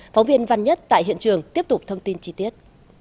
phóng viên văn nhất tại hiện trường tiếp tục thông tin chi tiết